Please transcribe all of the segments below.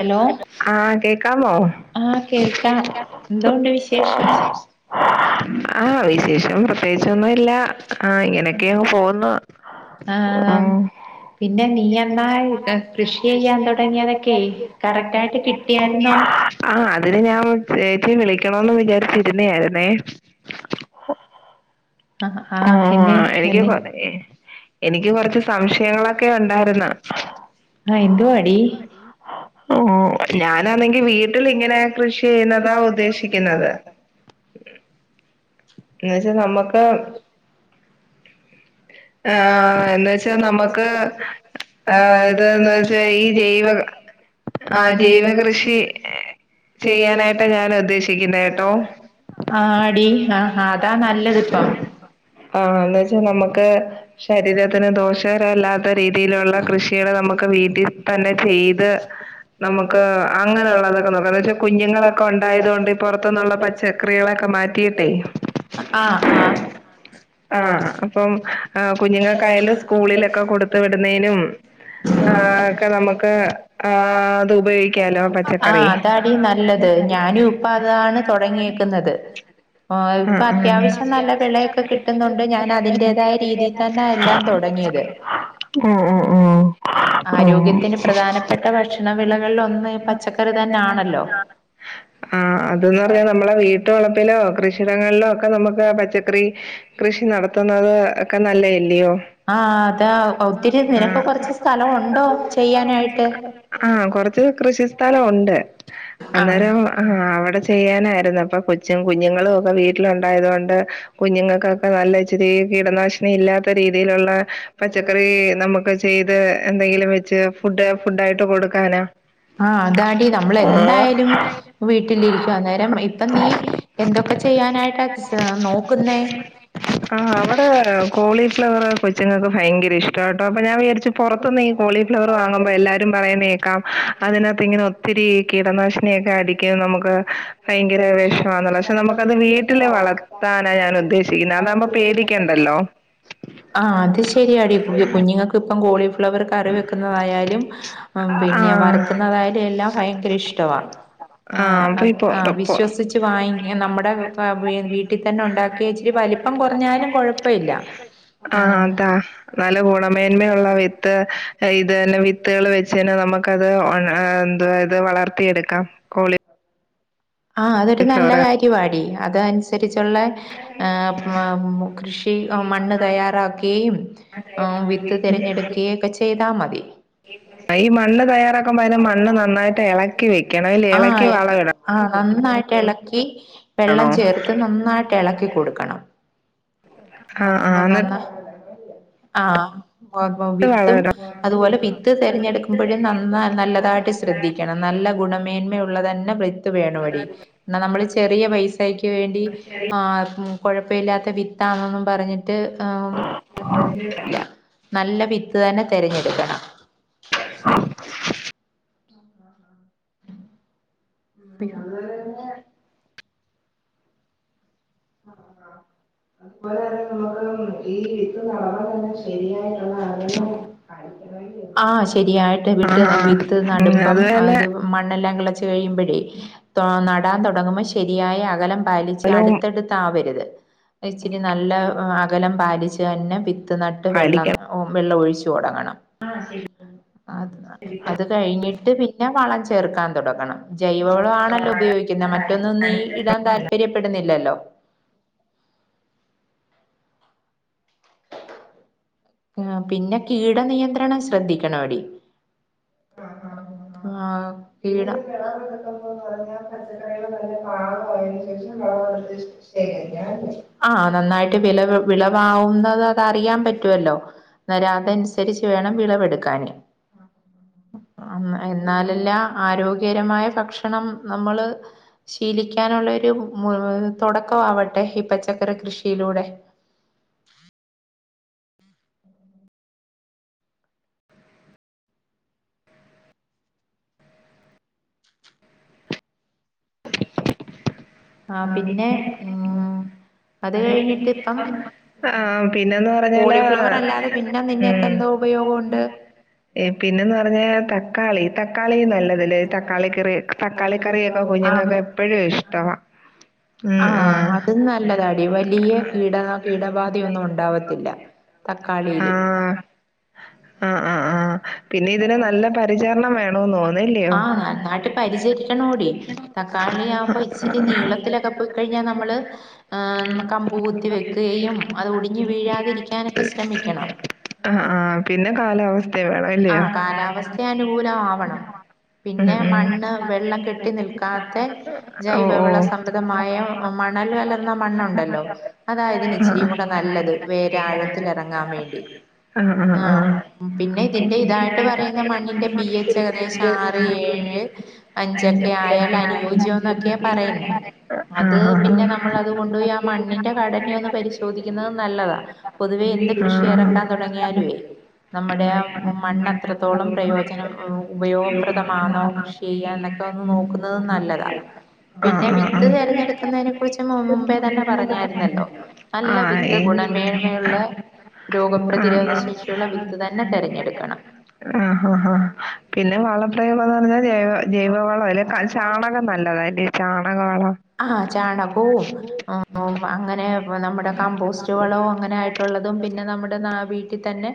Hello ആഹ് കേക്കാമോ ആഹ് കേൾക്കാം എന്തോണ്ട് വിശേഷം ആഹ് വിശേഷം പ്ര ത്യേകിച്ചൊന്നും ഇല്ല ആഹ് ഇങ്ങനെയൊക്കെ ങ്ങ് പോന്നു ആഹ് ഉം പിന്നെ നീ എന്നായി കൃഷി ചെയ്യാൻ തുടങ്ങിയതൊക്കെ ക്കേ കറക്റ്റ് ആയിട്ട് കിട്ടിയായിരുന്നോ ആഹ് അതിന് ഞാൻ ചേച്ചിയെ വിളിക്കണോന്ന് വിചാരിച്ചിരുന്നായാരുന്നേ ആഹ് ആഹ് എന്നെ എനിക്ക് എന്നെ കൊറേ എനിക്ക് കൊറച്ച് സംശയങ്ങളൊക്കെ ഉണ്ടാര്ന്ന് ആഹ് എന്ത്വാടി ഓ ഞാനാണെങ്കി വീട്ടിലിങ്ങനെ കൃഷി ചെയ്യുന്നതാ ഉദ്ദേശിക്കുന്നത് ഈയാഴ്ച്ച നമ്മക്ക് ആഹ് എന്നുവെച്ചാ നമ്മക്ക് ആഹ് ഇതന്നുവെച്ചാ ഈ ജൈവ ആഹ് ജൈവ കൃഷി ചെയ്യാനായിട്ട് ഞൻ ഉദ്ദേശി ആ അടി ഹാ ഹ അതാ നല്ലതിപ്പം ആഹ എന്ന് വെച്ചാ നമ്മക്ക് ശരീരത്തിന് ദോഷകരമല്ലാത്ത രീതിയിലുള്ള കൃഷികള് നമക്ക് വീട്ടി തന്നെ ചെയ്ത് നമുക്ക് അങ്ങനെയുള്ളതൊക്കെ നോക്കാം എന്ന് വെച്ചാ കുഞ്ഞുങ്ങളൊക്കെ ഒണ്ടായതു കൊണ്ട് ഈ പൊറത്തുന്നുള്ള ഭ പച്ചകറികളൊക്കെ മാറ്റിയിട്ടെ ആഹ് ആഹ് ആഹ് അപ്പം ആഹ് അപ്പം കുഞ്ഞുങ്ങക്കായാലും സ്കൂളിലൊക്കെ ലക്ഷം കൊടുത്തു കൊടുത്തപ്പോഴത്തേക്കും വിടുന്നതിനും ആ ഒക്കെ നമുക്ക് ആ അത് ഉപയോഗിക്കാലോ ആഹ് പച്ചക്കറി അതാടി തൊടങ്ങിയേക്കുന്നത് ആ ആഹ് ഇപ്പൊ അത്യാവശ്യം നല്ല ആഹ് വെളയൊക്കെ കിട്ടുന്നുണ്ട് ഞാൻ അതിന്റേതായ രീതിയി തന്നെ എല്ലാം തൊടങ്ങിയത് ഓഹ് ഓഹ് ഉം ഓഹ് ഓഹ് ആരോഗ്യത്തിന് പ്രധാനപ്പെട്ട ഭക്ഷണ വിളകളിൽ ഒന്ന് പച്ചക്കറി തന്നെ ആണല്ലോ ഉ ആഹ് അത് ന്ന് പറഞ്ഞാല് നമ്മളെ വീട്ടു വളപ്പിലോ, കൃഷിയിടങ്ങളിലോ, ഒക്കെ നമുക്ക് പച്ചക്കറി കൃഷി നടത്തുന്നത് ഒക്കെ നല്ലയല്ലിയോ? ആഹ് അതാ ഒത്തിരി നിനക്ക് കൊറച്ച് സ്ഥലവുണ്ടോ ചെയ്യാനായിട്ട്? ആഹ് കൊറച്ച് കൃഷി സ്ഥലം ഉണ്ട് ആഹ് അന്നേരം ആ അവിടെ ചെയ്യാനായിരുന്നു അപ്പൊ കൊച്ചും കുഞ്ഞുങ്ങളും ഒക്കെ വീട്ടിലുണ്ടായത് കൊണ്ട് കുഞ്ഞുങ്ങക്ക് ഒക്കെ നല്ല ഇച്ചിരി കീടനാശിനിയില്ലാത്ത രീതിയിലുള്ള പച്ചക്കറി നമുക്ക് ചെയ്ത് എന്തെങ്കിലും വെച്ച് ഫുഡ് ഫുഡായിട്ട് കൊടുക്കാനാ ആഹ് അതാ ടീ നമ്മളെന്തായാലും വീട്ടിലിരിക്ക അന്നേരം ഇപ്പൊ നീ എന്തൊക്കെ ചെയ്യാനായിട്ട് നോക്കുന്നേ? ആ അവിര് കോളിഫ്ലവർ കൊച്ചുങ്ങക്ക് ഭയങ്കര ഇഷ്ടവാട്ടോ അപ്പൊ ഞാൻ വിചാ ര്ച്ച് പൊറത്തിന്ന് ഈ കോളി്ഫ്ലാവർ വാങ്ങുമ്പോ എല്ലാ രും പറയുന്നേക്കാം അതിനകത്ത് ഇങ്ങനെ ഒത്തിരി കീടനാശിനിയൊക്കെ അടിക്കും നമുക്ക് ഭയങ്കര വേഷമാന്നുള്ള പക്ഷെ നമുക്കത് വീട്ടിലെ വളർത്താനാ ഞാൻ ഉദ്ദേശിക്കുന്നത് അതാകുമ്പോ പേടിക്കണ്ടല്ലോ ആഹ് അത് ശരിയാടി കു കുഞ്ഞുങ്ങക്ക് ഇപ്പം കോളി ഫ്ലവവർ കറി വെക്കുന്നതായാലും ഉം ആ പിന്നെ വറക്കുന്നതായാലും എല്ലാം ഭയങ്കരയിശ്ടവാ ആ ആഹ് അപ്പൊ ഈ അതെ പൊ ആ പൊ വിശ്വസിച്ച വാങ്ങ നമ്മുടെ വീട്ടിൽ തന്നെ ഒണ്ടാക്കിയ ഇച്ചിരി വലി പ്പം കൊറഞ്ഞാലും കൊഴപ്പയില്ല ആഹ് അതാ നല്ല ഗുണമേന്മയുള്ള വിത്ത് ഇത് തന്നെ വിത്തുകള് വെച്ച് തന്നെ നമുക്ക് അത് എത് വളർത്തിയെടുക്കാം കോളി ഫ്ലവ ആഹ് അതൊരു നല്ല കാര്യവാടി അത് അനുസരിച്ചുള്ള ഏഹ് എം മ് കൃഷി മണ്ണ് തയ്യാറാക്കി ആമ് വിത്ത് തെരഞ്ഞെടുക്കെയേം ഒക്കെ ചെയ്താ മതി ഈ മണ്ണ് തയ്യാറാക്കുമ്പോ അതിന് മണ്ണ് നന്നായിട്ട് ഇളക്കി വെക്കണം ഇല്ല ഇളക്കി ആഹ് വളമിടണോ ആ നന്നായിട്ട് എളക്കി വെള്ളം ചേർത്ത് നന്നായിട്ട് എളക്കി കൊടുക്കണം ആ ആഹ് ആ അപ്പൊ നന്നാ എന്നിട്ട് ആഹ് വിത്തും വളമിടണം അതുപോലെ വിത്ത് തിരഞ്ഞെടുക്കുമ്പഴും നന്ന നല്ലതായിട്ട് ശ്രദ്ധിക്കണം നല്ല ഗുണം മേന്മയുള്ളത് തന്നെ വേണോ വെടി ഇന്ന നമ്മള് ചെറിയ പൈസാക്ക് വേണ്ടി ആ് കൊഴപ്പയില്ലാത്ത വിത്താന്നൊന്നും പറഞ്ഞിട്ട് ഏം ഒര് നല്ല വിത്ത് തന്നെ തെരഞ്ഞെടുക്കണം [inaudible] ആഹ് ആഹ് ആ [unintelligible] അത്പോലെ തന്നെ നമക്ക് ഈ വിത്ത് നടന്ന തന്നെ ശരിയായ ആഹ് ആ ശെരിയായിട്ട് വിട്ട് ആ വിത്ത് ഉം, നടുമ്പം അതുപോലെ അത് മണ്ണെല്ലാം കിളച്ച് കഴിയുമ്പോഴേ നടാൻ തുടങ്ങുമ്പോൾ ശരിയായ അകലം പാലിച്ച് സ്ഥലവും അട്ത്തട്ത്ത് ആവര്ത് ഇച്ചിരി നല്ല അകലം പാലിച്ച് തന്നെ വിത്ത് നട്ട് വെള്ളം പാലിക്കണം വെള്ളം ഒഴിച്ചുടങ്ങണം അത് അത് കയ്ഞ്ഞിട്ട് പിന്നെ വളം ചേർക്കാൻ തൊടങ്ങണം. ജൈവവളം ആണല്ലോ ഉപയോഗിക്കുന്ന മറ്റൊന്നും ഒന്നും ഈ ഇടാൻ താല്പര്യപ്പെടുന്നില്ലല്ലോ? ആ പിന്നെ കീടനിയന്ത്രണം ശ്രദ്ധിക്കണോടി. ആഹ്. കീട കട എക്കുമ്പന്ന് പറഞ്ഞാൽ പച്ചക്കറികൾ തന്നെ പാഴയതിനു ശേഷം [unintelligible] ആ നന്നായിട്ട് വില വിളവാവുന്നത് അതറിയാൻ പറ്റുവല്ലോ. നരാതൻസരിച്ച് വേണം വിളവെടുക്കാന്. എന്നാലല്ല ആരോഗ്യകരമായ ഭക്ഷണം നമ്മള് ശീലിക്കാനുള്ളരു തുടക്കം ആവട്ടെ ഈ പച്ചക്കറി കൃഷിയിലൂടെ. ആ പിന്നെ ഉം. അത് കയ്ഞ്ഞിട്ട്പ്പം ആ പിന്നെന്ന് പറഞ്ഞാല് കോളിഫ്ലവറ ല്ലാതെ പിന്നെ ഉം, നിന്നെക്കെന്തോ ഉപയോഗോണ്ട്. ഏ പിന്നെന്ന് പറഞ്ഞ തക്കാളി തക്കാളി നല്ലല്ലേ തക്കാളി കറി തക്കാളി നല്ലതല്ലേ തക്കാളി കറി തക്കാളി കറിയൊക്കെ കുഞ്ഞുങ്ങക്കെപ്പോയും ഇഷ്ടമാ. ആ അതും നല്ലതാടി വലിയ കീട കീടബാധയൊന്നും ഉണ്ടാവത്തില്ല. തക്കാളീല്. ആഹ് ആഹ് ആ. പിന്നെ ഇതിന് നല്ല പരിചരണം വേണമെന്ന് ആ തോന്നുന്നില്ലയോ നന്നായ്ട്ട് പരിചരി ക്കണോടി തക്കാളി ആവുമ്പോ ഇച്ചിരി നീളത്തിലൊക്കെ പോയ് കയ്ഞ്ഞാൽ നമ്മള് ഏ കമ്പുകുത്തി വെക്കുകയും അത് ഒടിഞ്ഞു വീഴാതിരിക്കാനൊക്കെ ശ്രമിക്കണം. ആ ആ പിന്നെ കാലാവസ്ഥ ആ കാലാവസ്ഥ അനുകൂലമാവണം ഉം പിന്നെ ഉം മണ്ണ് വെള്ളം കെട്ടി നിൽക്കാതെ ഓഹ് ജൈവവള ഓഹ് സംബധമായ ആഹ് മണല് കലർന്ന ആഹ് മണ്ണുണ്ടല്ലോ ആഹ് ആഹ് ആഹ് ആഹ് ആഹ് അതായതിച്ചിരി കൂടെ നല്ലത്. വേറെ ആഴത്തിൽ എറങ്ങാൻ വേണ്ടി ആ ആഹ് പിന്നെ ഇതിൻ്റെ ഇതായ്ട്ട് പറയുന്ന മണ്ണിന്റെ പി എച്ച് ഏകദേശം ആറ്, ഏഴ്, അഞ്ചൊക്കെ, ആയാൽ അനുയോ പൂജ്യന്നൊക്യോം. [unintelligible] അത് പിന്നെ നമ്മൾ അത് കൊണ്ടോയി ആ മണ്ണിന്റെ ഘടനയൊന്ന് പരിശോധിക്കുന്നത് നല്ലതാ. പൊതുവേ എന്ത് കൃഷി എറക്കാൻ തൊടങ്ങിയാലുവേ നമ്മുടെ ആ മണ്ണ അത്രത്തോളം പ്രയോജനം ഉപയോഗപ്രദമാണോ കൃഷിയ്യാ എന്നൊ ന്നൊന്ന് നോക്കുന്നതും നല്ലതാ. പിന്നെ ആഹ് വിത്ത് ആഹ് ആഹ് തെരഞ്ഞെട്ക്ക്ന്നതിനെ കുറിച്ച് മുമ്പേ തന്നെ പറഞ്ഞായിരുന്നല്ലോ. ആ നല്ല ഏ വിത്ത് ഗുണന്മേന്മയുള്ള ആ, ആ. രോഗപ്രതിരോധ ശേഷിയുള്ള വിത്ത് തന്നെ തെരഞ്ഞെട്ക്കണം. ആഹ് ആഹ് ഹാ പിന്നെ വളപ്രയംന്ന് പറഞ്ഞാ ജൈവ ജൈവവളം അ ചാണകം നല്ലതാലേ. ചാണകവളോ ആഹ ചാണകവും അങ്ങനെ നമ്മുടെ കമ്പോസ്റ്റ് വളവും അങ്ങനെയിട്ട് ഉള്ളതും പിന്നെ നമ്മടെ വീട്ടിൽത്തന്നെ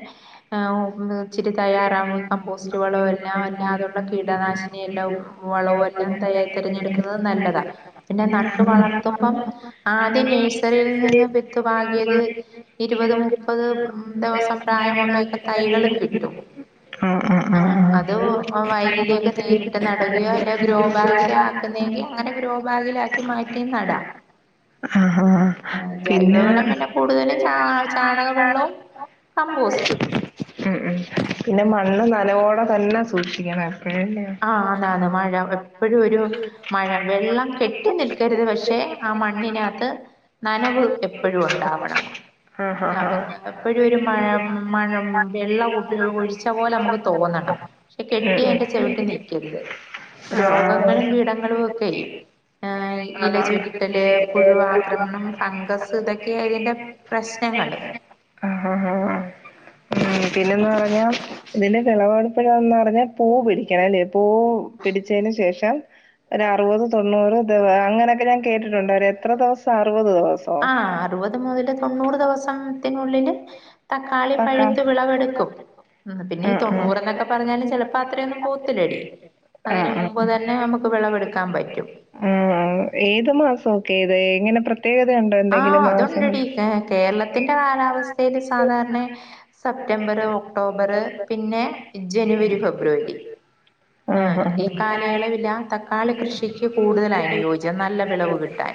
തയ്യാറ കമ്പോസ്റ്റ് വളവും എല്ലാം അതിന്ള്ള കീടനാശിനിയെല്ലാം വളവും എല്ലാം എല്ല തയ തിഞ്ഞെടുക്കുന്നത് നല്ലതാ പിന്നെ നട്ട് വളർത്തുമ്പം ആദ്യം നഴ്സറിയിൽ നിന്ന് വിത്ത് പാകിയത് ഇരുപത് മുപ്പത് ദിവസം പ്രായമുള്ളൊക്കെ തൈകളും കിട്ടും ആ ആ ആ ആഹ ആ അത് വയലിലേക്ക് നേരിട്ട് നടുകയോ അല്ലെ ഗ്രോ ബാഗില് ആക്കുന്നെങ്കിൽ അങ്ങനെ ഗ്രോബാഗിലാക്കി മാറ്റിം നടാം ആഹാ. ആഹ പിന്നെ ജൈവവളം പിന്നെ കൂടുതലും ചാ ചാണക വെള്ളവും കമ്പോസ്റ്റും ഉം ഉം പിന്നെ മണ്ണ് നനവോടെ തന്നെ സൂക്ഷിക്കണം എപ്പോഴും ലേ ആഹ ആണ് ആണ് മഴ എപ്പോഴും ഒരു മഴ വെള്ളം കെട്ടി നിൽക്കരുത് പക്ഷെ ആ മണ്ണിനകത്ത് നനവ് എപ്പോഴും ഉണ്ടാവണം എപ്പോഴും ഒരു മഴ മഴ വെള്ളം ഒഴിച്ച പോലെ നമുക്ക് തോന്നണം ആഹ് പക്ഷെ കെട്ടിയതിന്റെ ചെ- വിട്ടി നിക്കരുത് രോഗങ്ങളും കീടങ്ങളും ഒ [inaudible] ആഹ [inaudible] ആഹ പുഴു ആക്രമണം ഫംഗസ് ഇതൊക്കെയാ ഇതിന്റെ പ്രശ്നങ്ങള് ആഹ ആഹാ പിന്നെന്ന് പറഞ്ഞാൽ ഇതിന്റെ വിളവെടുപ്പഴന്ന് പറഞ്ഞാൽ പൂ പിടിക്കണം അല്ലേ പൂ പിടിച്ചതിന് ശേഷം ഒരു അറുപത് തൊണ്ണൂറ് ദിവ അങ്ങനെയൊക്കെ ഞാൻ കേട്ടിട്ടുണ്ട് അവര് എത്ര ദിവസം അറുപത് ദിവസം ആഹ അറുപത് മുതല് തൊണ്ണൂറ് ദിവസത്തിനുള്ളില് തക്കാളി പക്കാ പഴുത്തു വിളവെടുക്കും ഉ പിന്നെ ഈ ആഹ് ആഹ് തൊണ്ണൂറ്ന്നൊക്കെ പറഞ്ഞാല് ചിലപ്പോ അത്രയൊന്നും പോകത്തില്ലടി അതിന് ആഹ് മുമ്പ് തന്നെ നമുക്ക് വിളവെടുക്കാൻ പറ്റും ആഹ ഏത് മാസൊക്കെ ഇത് എങ്ങനെ ആഹ അതുണ്ടടി കേരളത്തിന്റെ കാലാവസ്ഥയിൽ സാധാരണ സെപ്റ്റംബറ് ഒക്ടോബറ് പിന്നെ ജനുവരി ഫെബ്രുവരി ആഹ ആഹ് ആഹ് ഈ കാലയളവിലാ തക്കാ- തക്കാളി കൃഷിക്ക് കൂടുതൽ അനുയോജ്യം നല്ല വിളവ് കിട്ടാൻ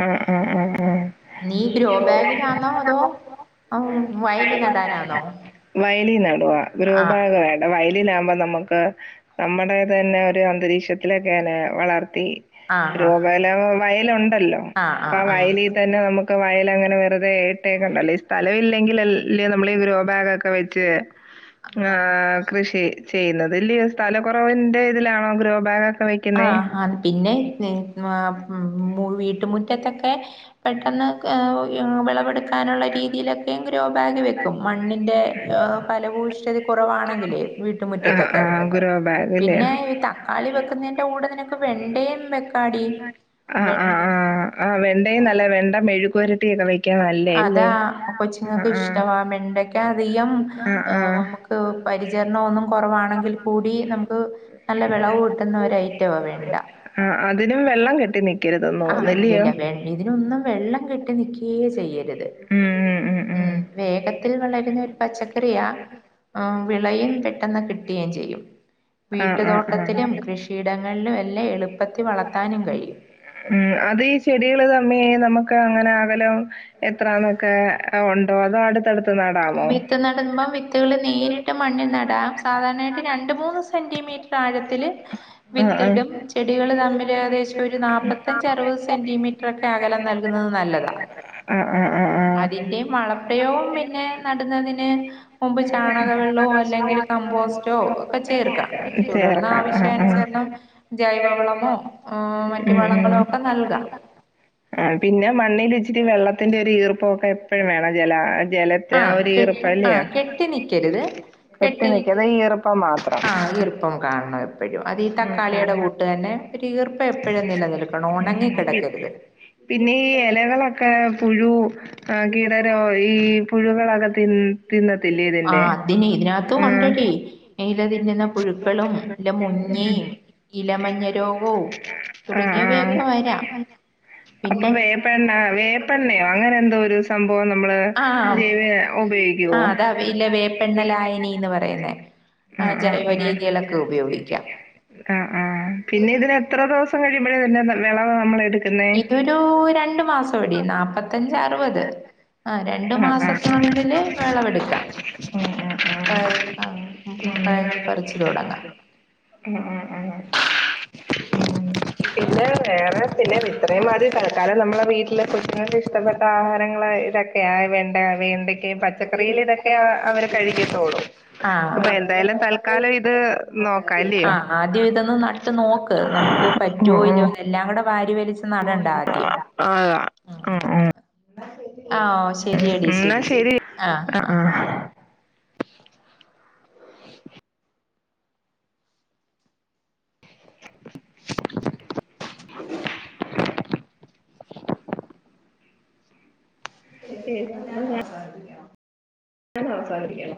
മ് മ് മ് മ് [inaudible] നീ ഗ്രോ ബാഗിലാന്നോ അതോ വയലി നടാനാന്നോ വയലി നടുവാ ആഹ് ഗ്രോബാഗ് വയലിലാകുമ്പോ നമുക്ക് നമ്മുടേ തന്നെ ഒരു അന്തരീക്ഷ ലൊക്കെ വളർത്തി ആഹ് ആഹ് ഗ്രോബോഗേലോ വയലുണ്ടല്ലോ ആഹ് അപ്പ ആഹ് ആ ആഹ് വയലി തന്നെ നമുക്ക് വയൽ അങ്ങനെ വെറുതെ ഇട്ടേക്കണ്ടല്ലോ ഈ സ്ഥലമില്ലെങ്കിൽ അൽ ലെ നമ്മള് ഈ ഗ്രോബാഗ് ഒക്കെ വെച്ച് ആഹ കൃഷി ചെയ്യുന്നത് ഇല്ലയോ സ്ഥല കുറവിന്റെ ഇതിലാണോ ഗ്രോബാഗ് ആഹാ ഹാ പിന്നെ വീട്ടുമുറ്റത്തൊക്കെ പെട്ടെന്ന് വിളവെടുക്കാനുള്ള രീതിയിലൊക്കെ ഗ്രോ ബാഗ് വെക്കും മണ്ണിൻ്റെ ഫലഭൂയിഷ്ടതി കുറവാണെങ്കിലേ ആഹ് വീട്ടുമുറ്റത്തൊക്കെ ആഹ് ഗ്രോ ബാഗ് അല്ലേ? പിന്നെ ഈ തക്കാളി വെക്കുന്നതിന്റെ കൂടെ നിനക്ക് വെണ്ടയും വെക്കാടി ആഹ ആഹ വെണ്ടയും നല്ല വെണ്ട മെഴുക്കുപുരട്ടി ഒക്കെ വെക്കാൻ നല്ലേല്ലേ കൊച്ചങ്ങക്ക് ഇഷ്ടവാ വെണ്ടക്ക അധികം ആഹ് ആഹ് നമുക്ക് പരിചരണം ഒന്നും കുറവാണെങ്കിൽ കൂടി നമുക്ക് നല്ല വിളവ് കിട്ടുന്ന ഒരു ഐറ്റാ വെണ്ട ആഹ് അതിനും വെള്ളം കെട്ടി നിക്കും ആഹ് ഇല്ലല്ല വെണ്ടേതിനൊന്നും വെള്ളം കെട്ടി നിക്കയേ ചെയ്യരുത് ഉം വേഗത്തിൽ വളരുന്ന ഒരു പച്ചക്കറിയാ വിളയും പെട്ടെന്ന് കിട്ടുകയും ചെയ്യും ആഹ് ആഹ് വീട്ടുതോട്ടത്തിലും ആഹ് കൃഷി യിടങ്ങളിലും എല്ലാം എളുപ്പത്തിൽ വളർത്താനും കഴിയും ഉം അത് ഈ ചെടികള് തമ്മി നമുക്ക് അങ്ങനെ അകലോ എത്രാന്നൊക്കെ ഉണ്ടോ അതോ അടുത്തടുത്ത് നടാമോ ഇട്ട് മണ്ണിൽ നടാം സാധാരണയായിട്ട് രണ്ട് മൂന്ന് സെന്റിമീറ്റർ ആഴത്തില് ആഹ് ആഹ് വിത്തിടും ചെടികൾ തമ്മിൽ ഏകദേശം ഒരു നാപ്പത്തഞ്ച് അറുപത് സെന്റിമീറ്റർ ഒക്കെ അകലം നൽകുന്നത് നല്ലതാ ആഹ് ആഹ് ആഹ് ആഹ് അതിന്റെ മളപ്രയോഗം പിന്നെ നട്ന്നതിന് മുമ്പ് ചാണക വെള്ളോ അല്ലെങ്കില് കമ്പോസ്റ്റോ ഒക്കെ ചേർക്കാ തുടർന്ന് ചേർക്കാം ആഹ് ആവശ്യാനുസരണം ജൈവവളമോ ആഹ് ആ, മറ്റു ഉം വളങ്ങളോ ഒക്കെ നൽകാം ഉം ആഹ് പിന്നെ മണ്ണല് ഇച്ചിരി വെള്ളത്തിന്റെ ഒര് ഈർപ്പൊക്കെ ആഹ് കെ ഈർപ്പം ആ അല്ലയോ? കെട്ടി നിക്കര്ത് കെട്ടി നിൽക്കാതെ ഈ ഈർപ്പം മാത്രം. ആഹ് ഈർപ്പം കാണണം എപ്പഴും അതീ ഉം ഉം തക്കാളിടെ കൂട്ട് തന്നെ ഒര് ഈർപ്പ എപ്പഴും നിലനിൽക്കണം ഒണങ്ങി ഉം. പി- കിടക്കര്ത് പിന്നെ ഈ എലകളൊക്കെ ക്കെ പുഴു കീടരോ ഈ പുഴുകൊളക്കെ തി തിന്ന ആഹ് ഇതിന് ഇതിനകത്തും കൊണ്ടടി എലതിന്നുന്ന പുഴുക്കളും ഇല്ല മുന്നിം ഇലമഞ്ഞ രോഗവും ആഹ് ആഹ്. തുടങ്ങിയവയൊക്കെ വരാം അപ്പൊ പിന്നെ വേപ്പെണ്ണ വേപ്പെണ്ണയോ അങ്ങനെ എന്തോ ഒര് സംഭവം നമ്മള് ആഹ് ജീവി ഉപയോക്ക്യയോ ആഹ് അതാ ഇല വേപ്പെണ്ണലായിനീന്ന് പറയ്ന്നേ ആഹ് ജൈവ രീതികളൊക്കെ ഉപയോഗിക്ക്യ ആഹ് ആഹ് പിന്നെ ഇതിന് എത്ര ദിവസം കഴിയുമ്പഴാ ഇതിന്റെ ന- വിളവ് നമ്മളെടുക്കുന്നേ? ഇതൊരു രണ്ട് മാസ ഇടിം നാപ ത്തഞ്ച് അറവത് ആ രണ്ട് ആഹ് ആഹ് മാസത്തിനുള്ളില് വെളവെട്ക്കാം ഉം ഉം [unintelligible] ഉം പഴങ്ങൾ പറിച്ച് തുടങ്ങാം ഉം ഉം ഉം പിന്നെ വേറെ പിന്നെ ഇത്രയുംമാതിര തൽക്കാലം നമ്മളെ വീട്ടില് കുഞ്ഞുങ്ങൾക്ക് ഇഷ്ട്ടപ്പെട്ട ആഹാരങ്ങള് ഇത വെണ്ട വേണ്ടക്ക പച്ചക്കറില് ഇതക്കെ അവര് കഴിക്കത്തോള്ളൂ ആഹ് നോക്കാം അല്ലയോ? ആഹ് ആദ്യം ഇതൊന്ന് നട്ട് നോക്ക് നമുക്ക് പറ്റോ ഉം ഇല്ലോ ഉം എല്ലാ കൂടെ വാരി വലിച്ച് നടണ്ട ആഹ് ആഹ് ഉം ആ ശെരിയടി എന്നാ ശെരി ശെരി ശരി ആ ആ ആഹ് ആഹ് [inaudible] അതോ [inaudible] ഞാൻ സംസാരിക്കണം